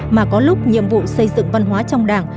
mà có lúc nhiệm vụ xây dựng văn hóa trong đảng